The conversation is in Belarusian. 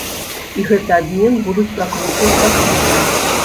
І гэты абмен будуць пракручваць па ціхаму.